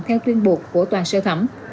theo tuyên buộc của tòa sơ thẩm